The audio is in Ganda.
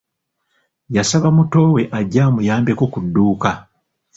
Yasaba mutowe ajje amuyambeko ku dduuka.